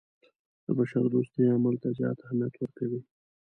د بشردوستۍ عمل ته زیات اهمیت ورکوي.